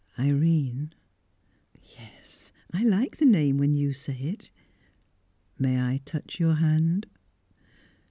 "Irene!" "Yes. I like the name when you say it." "May I touch your hand?"